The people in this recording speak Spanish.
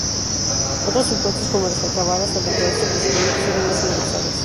Otros impuestos, como las alcabalas, al recaer sobre los productos, eran más universales.